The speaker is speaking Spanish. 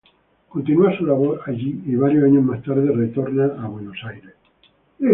Continúa su labor allí y varios años más tarde retorna a Buenos Aires.